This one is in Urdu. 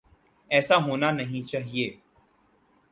ایسا ہونا نہیں چاہیے۔